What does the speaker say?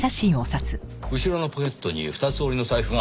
後ろのポケットに二つ折りの財布が入ったままです。